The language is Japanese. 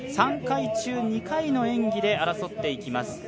３回中２回の演技で争っていきます。